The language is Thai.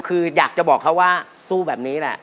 คืออยากจะบอกเขาว่าสู้แบบนี้แหละ